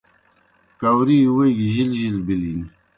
گاؤری ووئی گیْ جِل جِل بِلِن۔